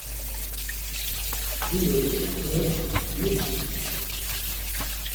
Ruelle de la Dohette à Messincourt